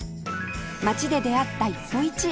街で出会った一歩一会